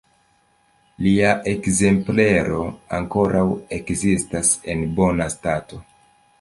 Lia ekzemplero ankoraŭ ekzistas en bona stato.